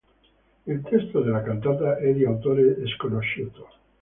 Il testo della cantata è di autore sconosciuto.